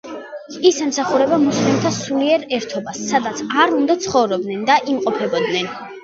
ის ემსახურება მუსლიმთა სულიერ ერთობას, სადაც არ უნდა ცხოვრობდნენ და იმყოფებოდნენ.